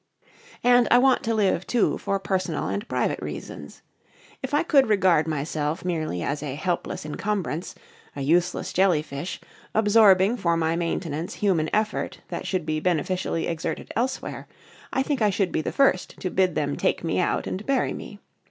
And I want to live, too, for personal and private reasons. If I could regard myself merely as a helpless incumbrance, a useless jellyfish, absorbing for my maintenance human effort that should be beneficially exerted elsewhere, I think I should be the first to bid them take me out and bury me.